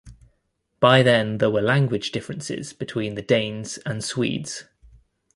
By then there were language differences between the Danes and Swedes.